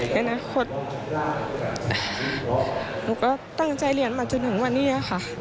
ในอนาคตหนูก็ตั้งใจเรียนมาจนถึงวันนี้ค่ะ